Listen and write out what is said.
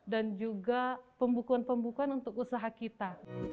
dan juga pembukuan pembukuan untuk usaha kita